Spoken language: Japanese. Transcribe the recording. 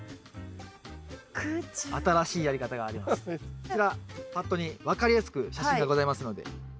こちらパッドに分かりやすく写真がございますので。